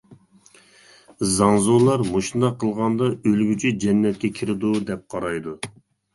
زاڭزۇلار مۇشۇنداق قىلغاندا ئۆلگۈچى جەننەتكە كىرىدۇ دەپ قارايدۇ.